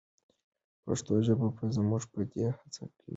پښتو ژبه به زموږ په دې هڅه کې برکت ولري.